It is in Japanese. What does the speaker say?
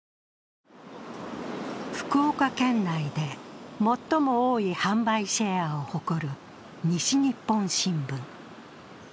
福岡県内で最も多い販売シェアを誇る西日本新聞。